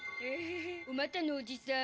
おまたのおじさん